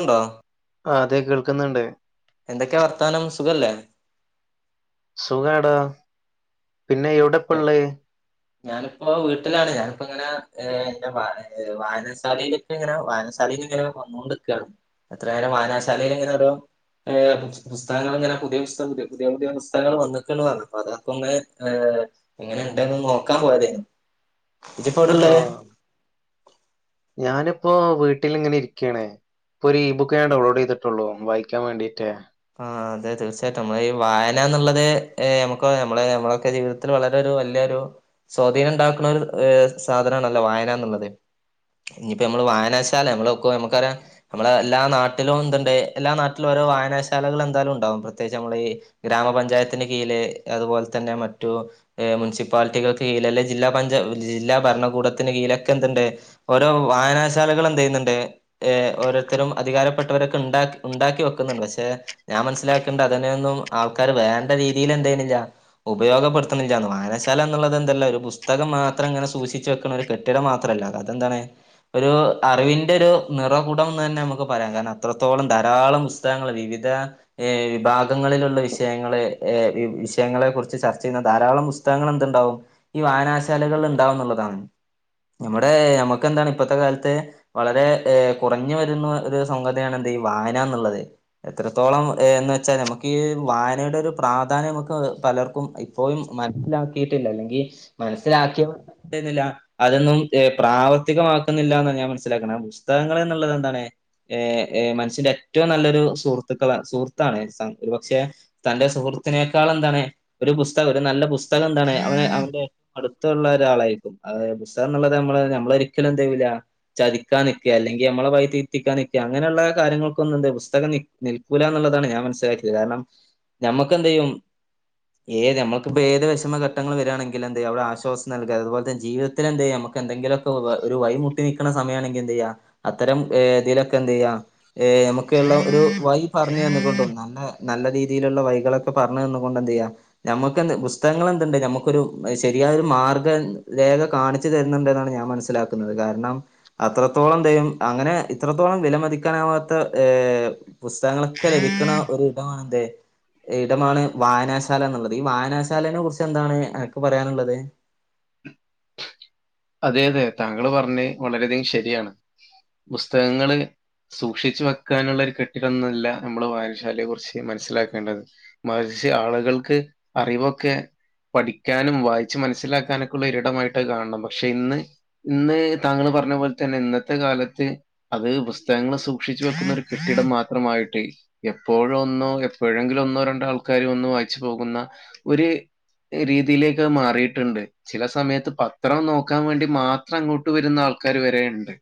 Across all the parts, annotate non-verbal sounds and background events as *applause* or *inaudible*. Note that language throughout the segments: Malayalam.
ഉണ്ടോ ആഹ് അതെ കേൾക്കുന്ന്ണ്ട് എന്തെക്കെ വർത്താനം. സുഖല്ലേ? സുഖാടാ പിന്നെ യെവിടെ ഇപ്പള്ളത്? ഞാനിപ്പോ വീട്ടിലാണ് ഞാനിപ്പോ ഇങ്ങനെ ഏഹ് ൻ്റെ വ വായനാശാലേല് ന്ങ്ങനെ വായനാശാലീന്ന് ങ്ങനെ വന്നോണ്ട്ക്കാണ്. എത്ര നേരം വായനാശാലയില്ങ്ങനെ ഓരോ ഏഹ് പു പുസ്തകങ്ങൾ ഇങ്ങനെ പുതിയ പുസ്തകം പുതിയ പുതിയ പുതിയ പുസ്തകങ്ങൾ വന്നിക്ക് ന്ന് പറഞ്ഞു അപ്പോ അതൊക്കൊന്ന് ഏഹ് എങ്ങനെണ്ട് ന്ന് നോക്കാൻ പോയതേനു. ഇജി പ്പോ ആ എവിടേള്ളേ? ഞാനിപ്പോ വീട്ടില്ങ്ങനെ ഇരിക്ക്യാണ്. ഇപ്പൊരു ഇ ബുക്ക് ഞാൻ ഡൗൺലോഡെയ്ത് ട്ടൊള്ളൂ. വായിക്കാൻ വേണ്ടിയിട്ടേ ആഹ് അതെ തീർച്ചയായിട്ടും. നമ്മളീ വായനാ ന്നുള്ളത് ഏഹ് നമുക്കും നമ്മള നമ്മളൊക്കെ ജീവിത ത്തിൽ വളരെ ഒരു വലിയൊരു സ്വാധീനം ഉണ്ടാക്കുണൊരു സാധനാണല്ലോ വായന എന്നുള്ളത്. ഇഞിപ്പ നമ്മള് വായനാശാല നമ്മളൊക്കൊ നമുക്കറിയ നമ്മള എല്ലാ നാട്ടിലും എന്ത്ണ്ട്, എല്ലാ നാട്ടിലും ഓരോ വായനാ ശാലകൾ എന്തായാലും ഉണ്ടാവും. പ്രത്യേകിച്ച് നമ്മൾ ഈ ഗ്രാമപഞ്ചായത്തിന്റെ കീഴില് അതുപോലെ തന്നെ മറ്റു ഏഹ് മുസിപ്പാലിറ്റികൾക്ക് കീഴിൽ അല്ലെ ജില്ലാ പഞ്ചായ ജില്ലാ ഭരണകൂടത്തിന് കീഴിലൊക്കെ എന്തുണ്ട് ഓരോ വായനാശാലകളെന്തയ്യ്ന്നുണ്ട് ഏഹ് ഓരോരുത്തരും അധികാരപ്പെട്ടവരൊക്കെ ഉണ്ടാക്കി ഉണ്ടാക്കി വെക്കുന്നുണ്ട്. പക്ഷെ ഞാൻ മനസ്സിലാക്ണ്ട്. അതിനെയൊന്നും ആൾക്കാര് വേണ്ട രീതിയിൽ എന്തയ്യ്ണില്ല ഉപയോഗപ്പെടുത്ത്ണില്ലാന്ന്. വായനശാല എന്നുള്ളത് എന്തല്ല ഒരു പുസ്തകം മാത്രം ഇങ്ങനെ സൂക്ഷിച്ച് വെക്ക്ണ ഒരു കെ ട്ടിടം മാത്രല്ല അതെന്തണ് ഒരു അറിവിന്റെ ഒരു നിറകുടം ന്ന് തന്നെ നമുക്ക് പറയാം കാരണം അത്രത്തോളം ധാരാളം പുസ്തകങ്ങൾ വിവി ധ ഏഹ് വിഭാഗങ്ങളിലുള്ള വിഷയങ്ങള് വിഷയങ്ങളെ കുറിച്ച് ചർച്ച ചെയ്യുന്ന ധാരാളം പുസ്തകങ്ങൾ എന്ത്ണ്ടാവും ഈ വായനാശാലകളിൽ ഉണ്ടാവുംന്നുള്ളതാണ് നമ്മുടെ നമുക്ക് എന്താണ് ഇപ്പത്തെ കാലത്ത് വളരെ ഏഹ് കുറഞ്ഞു വരുന്നു ഒരു സംഗതിയാണ് എന്ത് ഈ വായനാന്നുള്ളത് എത്രത്തോളം എന്ന് വെച്ചാൽ നമുക്ക് ഈ വായനയുടെ ഒരു പ്രാധാന്യം നമുക്ക് പലർക്കും ഇ പ്പോയും മനസ്സിലാക്കിയിട്ടില്ല അല്ലെങ്കി മനസ്സിലാക്കിയവർ *unintelligible* അതൊന്നും ഏഹ് പ്രാവർത്തികമാക്കുന്നില്ലാന്ന് ഞാൻ മനസ്സിലാക്കണെ. ബുസ്തകങ്ങള് ന്നുള്ളത് എന്താണ് ഏ ഏ മനസ്സിന്റെ ഏറ്റവും നല്ലൊരു സുഹൃത്തുക്കളാ സുഹൃത്താണ് സങ് ഒരു പക്ഷെ തന്റെ സുഹൃത്തിനെക്കാള് എന്താണ് ഒരു പുസ്തകം ഒരു നല്ല പുസ്തകം ന്താണ് അവന് അവന്റെ അടുത്തുള്ള ഒരാളായിരിക്കും. അതെ ബുസ്തകം എന്നുള്ളത് നമ്മള് ഞമ്മളൊരിക്കലും എന്തെയ്യൂല ചതിക്കാൻ നിക്കേ അല്ലെങ്കി നമ്മളെ വഴി തെറ്റിക്കാൻ നിക്കേ അങ്ങനെ ഉള്ള കാര്യങ്ങൾക്കൊന്നും എന്ത് പുസ്തകം നി നിൽക്കൂല എന്നുള്ളതാണ് ഞാൻ മനസ്സിലാക്കിയത് കാരണം ഞമ്മക്കെന്തെയ്യും ഏത് നമ്മക്കിപ്പോ ഏത് വെഷമഘട്ടങ്ങള് വരാണെങ്കില് എന്തെയ്യാ അവിടെ ആശ്വാസം നൽകാ അതുപോല്ത്തെ ജീവിതത്തിലെന്തെയ്യാം നമക്കെ ക്കെന്തെങ്കിലൊക്ക ഒരു വഴി മുട്ടി നിക്ക്ണ സമയാണെങ്കി എന്തെയ്യാ അത്തരം ഏഹ് ഇതിലൊക്കെന്തെയ്യാ ഏഹ് നമക്ക് ള്ള ഒരു വഴി പറഞ്ഞു തന്നുകൊണ്ടും നല്ല നല്ല രീതിയില്ള്ള വഴികളൊക്കെ പറഞ്ഞ് തന്നുകൊണ്ട് എന്തെയ്യാ നമ്മക്ക് എന്ത് പുസ്തകങ്ങൾ എന്തുണ്ട് ഞമ്മക്കൊരു ശ രിയായൊരു മാർഗ്ഗം രേഖ കാണിച്ചു തരുന്നുണ്ട് ന്നാണ് ഞാൻ മനസ്സിലാക്കുന്നത് കാരണം അത്രത്തോളം ദെയം അങ്ങനെ ഇത്രത്തോളം വില മതിക്കാനാവാത്ത ഏഹ് പുസ്തകങ്ങളൊക്കെ ലഭിക്ക്ണ ഒരു ഇടമാണ് എന്ത്, ഇടമാണ് വായനാശാല എന്നുള്ളത്. ഈ വായനാ ശാലേനെ കുറിച്ച് എന്താണ് അനക്ക് പറയാനുള്ളത്? അതെ അതെ താങ്കള് പറഞ്ഞേ വളരെയധികം ശരിയാണ്. ബുസ്തകങ്ങള് സൂക്ഷിച്ചു വെക്കാനുള്ളൊരു കെട്ടിടം ന്നല്ല നമ്മള് വായനശാലയെ കുറിച്ച് മനസ്സിലാക്കേണ്ടത് മറിച്ച് ആളുകൾക്ക് അറിവൊക്കെ പഠിക്കാനും വായിച്ച് മനസ്സിലാക്കാനൊക്കെ ഉള്ള ഒരിടമായിട്ട് കാണണം പക്ഷെ ഇന്ന് ഇന്ന് താങ്കള് പറഞ്ഞ പോലെ തന്നെ ഇന്നത്തെ കാലത്ത് അത് പുസ്തകങ്ങള് സൂക്ഷിച്ചു വെക്കുന്ന ഒരു കെട്ടിടം മാത്രമായിട്ട് എപ്പോഴു ഒന്നോ എപ്പൊഴങ്കിലു ഒന്നോ രണ്ടോ ആൾക്കാര് വന്ന് വായിച്ചു പോകുന്ന ഒര് രീതിയിലേക്ക് മാറീട്ടുണ്ട്. ചില സമയത്ത് പത്രം നോ ക്കാൻ വേണ്ടി മാത്രം അങ്ങോട്ട് വരുന്ന ആൾക്കാര് വരെ ഒണ്ട്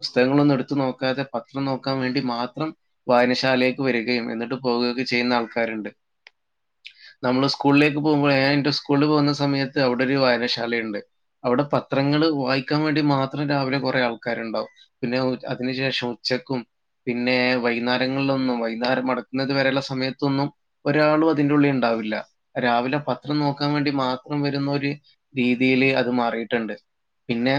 പുസ്തകങ്ങളൊന്നും എടുത്തു നോക്കാതെ പത്രം നോക്കാൻ വേണ്ടി മാത്രം വായനശാലേക്ക് വരികയും എന്നിട്ട് പോവുകയൊക്കെ ചെയ്യുന്ന ആൾക്കാരുണ്ട് നമ്മള് സ്കൂളിലേക്ക് പോകുമ്പോൾ ഞാൻ എൻ്റെ സ്കൂളില് പോകുന്ന സമയത്ത് അവിടൊര് വായനശാലയൊണ്ട് അവടെ പത്രങ്ങള് വായിക്കാൻ വേണ്ടി മാത്രം രാവിലെ കൊറേ ആൾക്കാരൊണ്ടാവും പിന്നെ ഉച് അതിന് ശേഷവും ഉച്ചക്കും പിന്നെ വൈകുന്നേരങ്ങളിലൊന്നും വയ്യ്ന്നേരം മടക്കുന്നത് വരെ ഒള്ള സമയത്തൊന്നും ഒരാളു അതിന്റെ ഉള്ളിൽ ഒണ്ടാവില്ല. രാവിലെ പത്രം നോക്കാൻ വേണ്ടി മാത്രം വരുന്ന ഒര് രീതീല് അത് മാറിയിട്ടൊണ്ട് പിന്നെ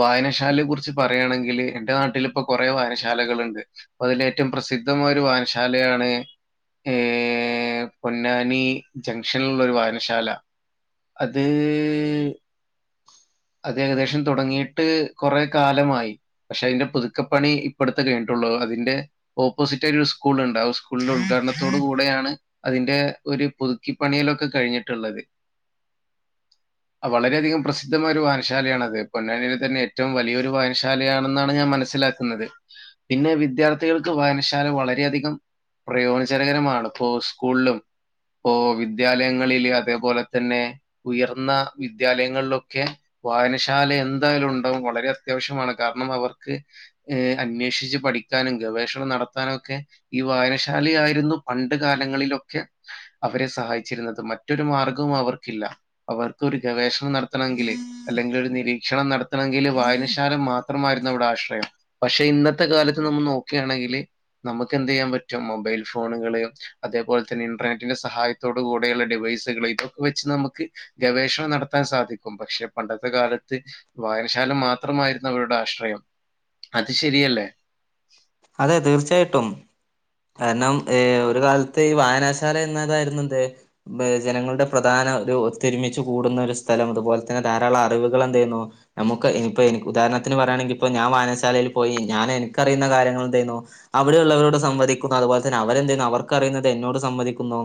വായനശാലേ കുറിച്ച് പറയാണെങ്കില് എൻ്റെ നാട്ടിലിപ്പ കൊറേ വായനശാലകള്ണ്ട് അതിലേറ്റവും പ്രസിദ്ധമായൊരു വായനശാലയാണ് ഏ പൊന്നാനി ജംഗ്ഷനിലുള്ളൊരു വായനശാല അത് അത് ഏകദേശം തൊടങ്ങിയിട്ട് കൊറേ കാലമായി പക്ഷെ അതിന്റെ പുതുക്കപ്പണി ഇപ്പടുത്തെ കഴിഞ്ഞിട്ടൊള്ളൂ. അതിന്റെ ഓപ്പോസിറ്റായ്റ്റ് ഒരു സ്കൂൾ ഒണ്ട് ആ സ്കൂളിന്റെ ഉദ്ഘാടനത്തോട് കൂടെയാണ് അതിന്റെ ഒരു പുതുക്കിപ്പണിയലൊക്കെ കഴിഞ്ഞിട്ടൊള്ളത് വളരെ അധികം പ്രസിദ്ധമായൊരു വായനശാലയാണത്. പൊന്നാനീല് തന്നെ ഏറ്റവും വലിയൊരു വായനശാലയാണെന്നാണ് ഞാൻ മനസ്സിലാ ക്ക്ന്നത് പിന്നെ വിദ്യാർത്ഥികൾക്ക് വായനശാല വളരെയധികം പ്രയോജനകരമാണ് ഇപ്പോ സ്കൂളിലും ഇപ്പോ വിദ്യാലയങ്ങളില് അതേപോലെ തന്നെ ഉയർന്ന വിദ്യാലയങ്ങളിലൊക്കെ വായനശാല എന്തായാലും ഉണ്ടാവും വളരെ അത്യാവശ്യമാണ് കാരണം അവർക്ക് ഏ അന്വേഷിച്ച് പഠിക്കാനും ഗവേഷണം നടത്താനും ഒക്കെ ഈ വായനശാല ആയിരുന്നു പണ്ട് കാലങ്ങളിലൊക്കെ അവരെ സഹായിച്ചിരുന്നത് മറ്റൊരു മാർഗവും അവർക്കില്ല അവർക്ക് ഒരു ഗവേഷ് നടത്തണമെങ്കില് അല്ലെങ്കിൽഒര് നിരീക്ഷണംനടത്തണമെങ്കില് വായനശാല മാത്രമായിരുന്നു അവിടെ ആശ്രയം. പക്ഷെഇന്നെത്തെ കാലത്ത്ന്നമ്മൾ നോക്കുക്കെയാണെങ്കിൽ ന്നമുക്ക് എന്ത് ചെയ്യാൻപറ്റും മൊബൈൽഫോണുകള് അതേപോലെതെന്നെ ഇന്റർനെറ്റിന്റെ സഹായത്തോട് കൂടെയുള്ള ഡിവൈസുകൾ ഇതൊക്കെവെച്ച് ന്നമുക്ക് ഗവേഷണംനടത്താൻ സാധിക്കും പക്ഷെപണ്ടത്തെ കാലത്ത് വായനശാലമാത്രമായിരുന്നു അവരുടെ ആശ്രയം അത് ശെരിയല്ലേ? അതെ തീർച്ചയായിട്ടും. കാരണം ഏഹ് ഒര്കാലത്ത് ഈ വായനാശാലഎന്നതായിരുന്നുത് ബ് ജനങ്ങളുടെപ്രധാന ഒരുതൊരുമിച്ച് കൂടുന്ന ഒര്സ്ഥലം അതുപോലെതെന്നെ ധാരാളം അറിവുകൾഎന്തെയ്യുന്നു ന്നമുക്ക് എനിപ്പ് എനി ഉദാഹരണത്തിന് പറയയാണെങ്കിൽ ഇപ്പൊ ഞാൻ വായനശാലയിൽ പോയി ഞാൻ എനിക്കറിയുന്ന കാര്യങ്ങൾ എന്തെയ്യുന്നു അവിടെയള്ളവരോട് സംവദിക്കുന്നു അതുപോലെതെന്നെ അവരെന്ത്‌ ചെയ്യുന്നു അവർക്ക്റിയുന്നത് എന്നോട് സംവദിക്കുന്നു.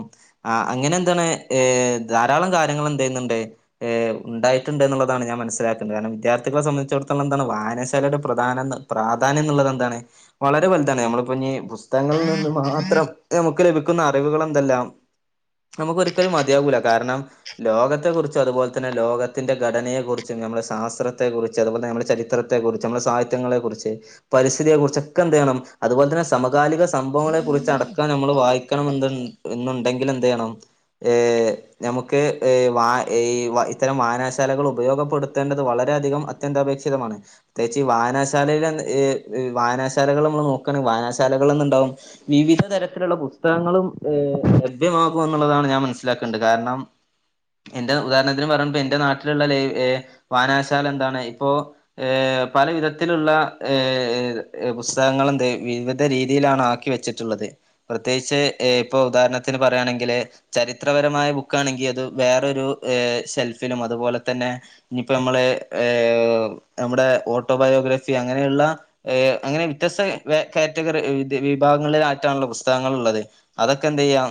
ആഹ് അങ്ങനെഎന്താണ് ഏഹ് ധാരാളം കാര്യങ്ങൾ എന്ത്‌ചെയ്യുന്നുണ്ട് ഏഹ് ഉണ്ടായിട്ടുണ്ട്എന്നുള്ളതാണ് ഞാൻ മനസ്സിലാക്കുന്നത് കാരണം വിദ്യാർത്ഥികളെ സംബന്ധിച്ചിടത്തോളം എന്താണ് വായനശാലയുടെ പ്രധാന പ്രാധാന്യംന്നുള്ളത് എന്താണ് വളരെ വലുതാണ് ഞമ്മളിപ്പോഞ്ഞീ തങ്ങളിൽനിന്ന് മാത്രം ന്നമുക്ക് ലഭിക്കുന്ന അറിവുകൾഎന്തെല്ലാം ന്നമുക്കൊരിക്കലും മതിയാവൂല കാരണം ലോകത്തെകുറിച്ചും അതുപോലെ തന്നെലോകത്തിന്റെ ഗടനയെക്കുറിച്ചും ന്നമ്മുടെ ശാസ്ത്രത്തെക്ക കുറിച്ച് അതുപോലെ ന്നമ്മുടെ ചരിത്ര ത്തെകുറിച്ച് ന്നമ്മുടെ സാഹിത്യങ്ങളെ കുറിച്ച് പരിസ്ഥിതിയെ കുറചൊക്കെ എന്തെയ്യണം അതുപോലെതെന്നെ സമ കാലികസംഭവങ്ങളെ കുറിച്ച്അടക്കാം ന്നമ്മൾവായ്ക്കണം എന്ത്‌ എന്നുണ്ടെങ്കിൽ എന്ത്ചെയ്യണം ഏഹ് ഞമ്മക്ക് ഈ വാ ഇത്തരം വായനാശാലകൾ ഉപയോഗപ്പെടുത്തേണ്ടത് വളരെയധികം അ അത്തിയന്തപേക്ഷിതമാണ് പ്രത്യേകിച്ച്ഈ വായനാശാലയിലെ വായനാഷാലകൾ ന്നമ്മൾ നോക്കണെങ്കിൽ വായനാശ ഷാലകൾ എന്ന്ണ്ടാവും. വിവിധ തരത്തിലുള്ള പുസ്തകങ്ങളും ഏഹ് ലഭ്യമാകുകഎന്നുള്ളതാണ് ഞാൻ മനസ്സിലാക്കേണ്ടത് കാരണം എന്റെ ഉദാഹരണത്തിന് പറയഎന്റെ നാട്ടിലുള്ള ലെ എഹ് വായനാശാല എന്താണ്ഇപ്പോ ഏഹ് പലവിധത്തിലുള്ള ഏഹ് പുസ്തകങ്ങൾ എന്തെയ്യുംവി രീതിയിലാണ് ആക്കി വെച്ചിട്ടുള്ളത് പ്രത്യേകിച്ച് ഇപ്പൊ ഉദാഹരണത്തിന് പറയുകയാണെങ്കിൽ ചരിത്രപരമായബുക്കാണെങ്കി അത് വേറൊരു ഷെൽഫിലും അതുപോലെതെന്നെ ഇനിയിപ്പോ ന്നമ്മൾ ഏഹ് ന്നമ്മുടെ ഓട്ടോബയോഗ്രഫി അങ്ങനെയുള്ള ഏഹ് അങ്ങനെവ്യത്യസ്ത വെ കെ റ്റകര് വി വിഭാങ്ങളിലായിറ്റാണല്ലോ പുസ്തകങ്ങൾ ള്ളത് അതൊക്കെഎന്ത്‌യ്യാ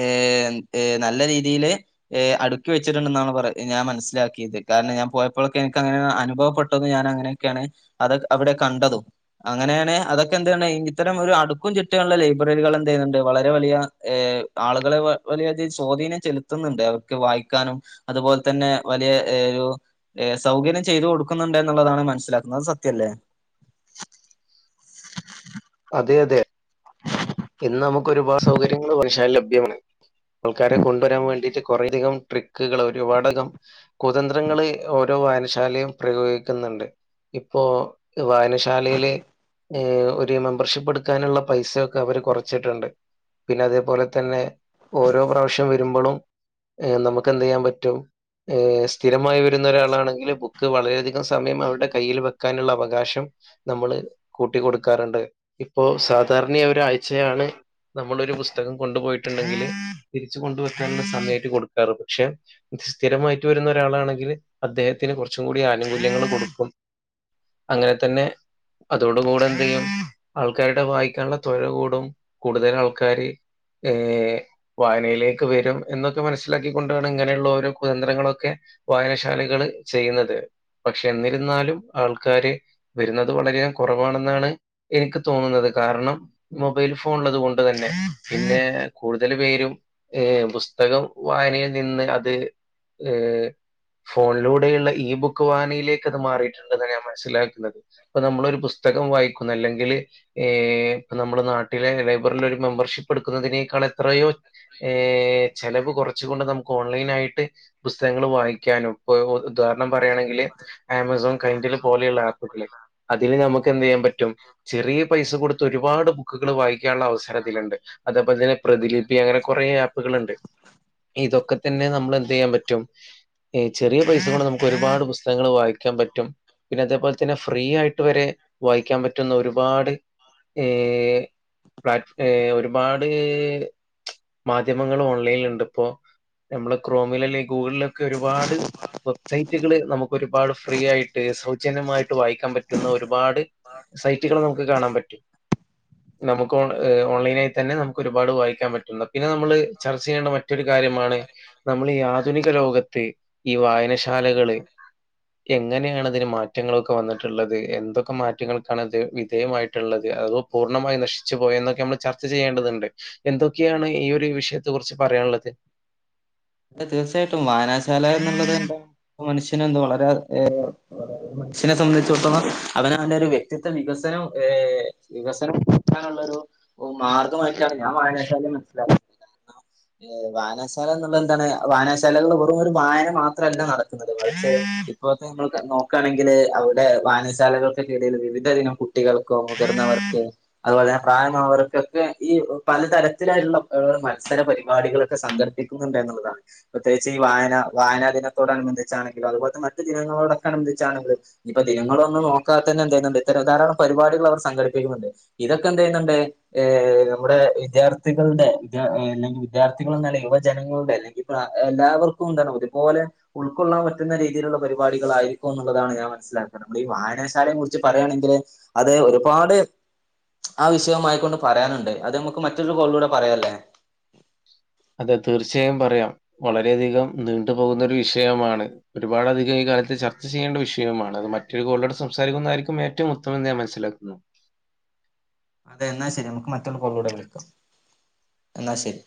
ഏഹ് ഏഹ് നല്ലേരീതില് ഏഹ് അടുക്കിവെച്ചിട്ടുണ്ടെന്നാണ് ഞാൻപറ മനസിലാക്കിയത് കാരണം ഞാൻ പോയപ്പളൊക്കെ എനിക്കങ്ങനെ അനുഭവപ്പെ ഞാൻ അങ്ങനെയൊക്കെയാണ് അത് അവിടെ കണ്ടതും അങ്ങനെയാണ് അതൊക്കെഎന്താണ് ഇത്തരംഒരു അടുക്കുംചിട്ടയുള്ള ലൈബ്രറികൾ എന്ത്‌ചെയ്യുന്നുണ്ട് വളരെ വലിയ ഏഹ് ആളുകള് വ വലിയതിസ്വാധീനം ചെലുത്തുന്നുണ്ട് അവർക്ക് വായിക്കാനും അതുപോലെ തെന്നെവലിയ എഹ് ഒരു ഏഹ് സൗകര്യംചെയ്തു കൊടുക്കുന്നുണ്ട് എന്നുള്ളതാണ് മനസ്സിലാക്കുന്നത് അത് സത്യല്ലേ? അതെ, അതെ ഇന്ന് ന്നമുക്ക് ഒരുപാട് സൗകര്യങ്ങള് വനഷശാലയിൽ ലഭ്യമാണ്. ആൾക്കാരെ കൊണ്ടുവെരാൻ വേണ്ടിട്ട് കുറേയധികം ട്രിക്കുകൾ ഒരുപാടകം കുതന്ത്രങ്ങള് ഓരോവായനശാലയും പ്രയോഗിക്കുന്നുണ്ട് ഇപ്പോ വായനശാലയില് ഏഹ് ഒര്മെമ്പർഷിപ്പ് എടുക്കാനുള്ളപൈസെ ക്കെ അവര്കുറച്ചിട്ടുണ്ട് പിന്നെ അതേപോലെതെന്നെ ഓരോ പ്രാവശ്യം വരുമ്പോഴും ഏഹ് ന്നമുക്ക് എന്തെയ്യാൻപറ്റും. ഏഹ് സ്ഥിരമായിവരുന്ന ഒരാളാണെങ്കിൽ ബുക്ക് വളരെയധികം സമയംഅവരുടെ കയ്യിൽവെക്കാനുള്ള അവകാശം ന്നമ്മള് കൂട്ടിക്കൊടുക്കാറുണ്ട് ഇപ്പോ സാധാരണയായ് ഒരാഴ്ച്ചെയാണ്. ന്നമ്മളൊരു പുസ്തകം കൊണ്ടു പോയിട്ടുണ്ടെങ്കില് തിരിച്ച് കൊണ്ട്വെക്കാനുള്ള സമയ്ട്ട് കൊടുക്കാറ് പക്ഷെ സ്ഥിരമായിട്ട് വരുന്നഒരാളാണെങ്കിൽ അദ്ദേഹത്തിന് കുറച്ചുംകൂടി ആനുകൂല്യങ്ങൾ കൊടുക്കും. അങ്ങനെതെന്നെ അതോട്കൂടെ എന്തെയ്യും ആൾക്കാരുടെ വായിക്കാനുള്ള ത്വരകൂടും കൂടുതൽ ആൾക്കാര് ഏഹ് വായനയിലേക്ക് വരും എന്നൊക്കെ മനസ്സിലാക്കിക്കൊണ്ടാണ് ഇങ്ങനെയുള്ള ഓരോ കുതന്ത്രങ്ങളൊക്കെ വായനശാലകള് ചെയ്യുന്നത് പക്ഷെ എന്നിരുന്നാലും ആൾക്കാര് വരുന്നത് വളരെ കുറവാണെന്നാണ് എനിക്ക് തോന്നുന്നത് കാരണം മൊബൈൽ ഫോൺ ഉള്ളത് കൊണ്ട് തന്നെ പിന്നെ കൂടുതൽ പേരും ഏ പുസ്തകം വായനയിൽ നിന്ന് അത് ഏ ഫോണിലൂടെയുള്ള ഇ ബുക്ക് വായനയിലേക്ക് അത് മാറിയിട്ടുണ്ടെന്നാ ഞാൻ മനസ്സിലാക്കുന്നത് ഇപ്പ നമ്മളൊരു പുസ്തകം വായിക്കുന്നു അല്ലെങ്കിൽ ഏ ഇപ്പ നമ്മളെ നാട്ടിലെ ലൈബറിൽ ഒരു മെമ്പർഷിപ്പ് എടുക്കുന്നതിനേക്കാൾ എത്രയോ ഏഹ് ചെലവ് കുറച്ചുകൊണ്ട് നമുക്ക് ഓൺലൈൻ ആയിട്ട് പുസ്തകങ്ങൾ വായിക്കാനും ഇപ്പ ഉദാഹരണം പറയുകയാണെങ്കിൽ ആമസോൺ പോലുള്ള ആപ്പ്ഗള് നമുക്ക് എന്ത് ചെയ്യാൻ പറ്റും ചെറിയ പൈസ കൊടു ഒരുപാട് ബുക്കുകൾ വായിക്കാനുള്ള അവസരത്തിലുണ്ട് അതേപോലെ തന്നെ പ്രതിലിപി അങ്ങനെ കുറെേ ആപ്കൾണ്ട് ഇതൊക്കെ തന്നെ നമ്മൾ എന്ത് ചെയ്യാൻ പറ്റും എ ചെറിയ പൈസ കൊണ്ട് നമുക്ക് ഒരുപാട് പുസ്തകങ്ങൾ വായിക്കാൻ പറ്റും പിന്നെ അതേപോലെ തന്നെ ഫ്രീ ആയിട്ട് വരെ വായിക്കാൻ പറ്റുന്ന ഒരുപാട് ഏ പ്ല ഏ ഒരുപാട് മാധ്യമങ്ങൾ ഓൺലൈനിൽ ണ്ട് ഇപ്പോ നമ്മള് ക്രോമിൽ ല്ലെങ്കിൽ ഗൂഗിളിലൊക്കെ ഒരുപാട് വെബ്സൈറ്റുകള് നമുക്ക് ഒരുപാട് ഫ്രീ ആയിട്ട് സൗജന്യമായിട്ട് വായിക്കാൻ പറ്റുന്ന ഒരുപാട് സൈറ്റുകൾ നമുക്ക് കാണാൻ പറ്റും നമുക്ക് ഓൺലൈനായി തന്നെ നമുക്ക് ഒരുപാട് വായിക്കാൻ പറ്റുന്ന പിന്നെ നമ്മള് ചർച്ച ചെയ്യേണ്ട മറ്റൊരു കാര്യമാണ് നമ്മൾ ഈ ആധുനിക ലോകത്ത് ഈ വായനശാലകള് എങ്ങനെയാണ് അതിന് മാറ്റങ്ങളൊക്കെ വന്നിട്ടുള്ളത് എന്തൊക്കെ മാറ്റങ്ങൾക്കാണത് വിധേയമായിട്ടുള്ളത് അതോ പൂർണ്ണമായി നശിച്ചു പോയോ എന്നൊക്കെ നമ്മൾ ചർച്ച ചെയ്യേണ്ടതുണ്ട് എന്തൊക്കെയാണ് ഈ ഒരു വിഷയത്തെ കുറിച്ച് പറയാനുള്ളത് അ തീർച്ചയായിട്ടും വായനാശാല എന്നുള്ളത് ണ്ട മനുഷ്യന് ഇന്ന് വളരെ മനുഷ്യനെ സംബന്ധിച്ചാെട്ത്തോളം അവന അവന്റെ ഒരു വ്യക്തിത്വ വികസനം വേ വികസനം അങ്ങനുള്ളൊരു മാർഗമായിട്ടാണ് ഞാൻ വായനാശാലയെ മനസ്സിലാക്കുന്നത് ഏ് വായനാശാലാന്ന് ള്എന്താണ് വായനാശാലകളില് വെറും ഒരു വായന മാത്രല്ല നടക്കുന്നത് മറിച്ച് ഇപ്പോത്തെ നമ്മള് ന്താ നോക്കാണെങ്കില് അവ്ടെ വായനശാലകൾക്കക്കെടയിൽ വിവിധഇനം കുട്ടികൾക്കോ മുതിർന്നവർക്ക് അതുപോലെതന്നെ പ്രായം അവർക്കൊക്കെ ഈ പലതരത്തിലായിട്ടുള്ള ഏ് മത്സര പരിപാടികളൊക്കെ സംഘടിപ്പിക്ക് ന്ന്ണ്ടായ്ന്നുള്ള്താ പ്രത്യേകിച്ച് ഈ വായന വായനാദിനത്തോടനുബന്ധിച്ചാണെങ്കിലാെഅതുപോൽത്തെ മറ്റുചിലതിനോടൊക്കെ അനുബന്ധിച്ചാണങ്കിലും ഇപ്പൊ ദിനങ്ങളൊന്നും നോക്കാത്തന്നെ എന്തെയ്യ്ന്ന്ണ്ട് ഇത്തരം ധാരാളം പരിപാടികൾ അവർ സംഘടിപ്പിക്കുന്ന്ണ്ട് ഇതൊക്കെ എന്തയ്യുന്നുണ്ട് ഏ് നമ്മുടെ വിദ്യാർത്ഥികളുടെ വിദ്യാ അല്ലെങ്കിൽ വിദ്യാർത്ഥികള്ന്നല്ല യുവത് ജനങ്ങളുടെ അല്ലെങ്കി പ്രാ ഏ് എല്ലാവർക്കും ണ്ടല്ലോ ഒരു പോലെ ഉൾക്കൊള്ളാൻ പറ്റുന്ന രീതിയിലുള്ള പരിപാടികളായിരിക്കും എന്നുള്ളതാണ് ഞാൻ മനസ്സിലാക്കുന്നത് നമ്മള് ഈ വായനശാലയെ കുർച്ച് പറയാണെങ്കില് അത് ഒരുപാട് അഹ് വിഷയമായ കൊണ്ട് പറയാനുണ്ട് അത് നമുക്ക് മറ്റൊരു കോളിലൂടെ പറയാല്ലേ അതെ തീർച്ചയായും പറയാം വളരെയധികം നീണ്ടു പോവുന്നഒരു വിഷയമാണ് ഒരുപാട് അധികം ഈ കാലത്ത് ചർച്ച ചെയ്യേണ്ട വിഷയമാണ് അത് മറ്റൊരുകോള്ലൂടെ സംസാരിക്കുന്നായിരിക്കും ഏറ്റവും ഉത്തമെന്ന് ഞാൻ മനസിലാക്കുന്നു അതെ എന്നാ ശരി നമുക്ക് മറ്റൊരു കോൾലൂടെ വിളിക്കാം എന്നാ ശരി